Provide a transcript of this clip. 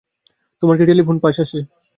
তোমার কি telephone pass আছে?